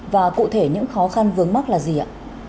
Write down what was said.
và cụ thể những khó khăn vướng mắt là gì ạ